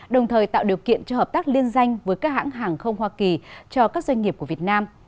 đồng thời tạo điều kiện cho hợp tác liên danh với các hãng hàng không hoa kỳ cho các doanh nghiệp của việt nam